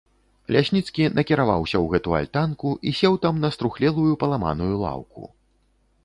Лясніцкі накіраваўся ў гэту альтанку і сеў там на струхлелую паламаную лаўку.